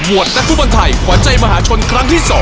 โหวดนักผู้บอลไทยขวัญใจมหาชนครั้งที่๒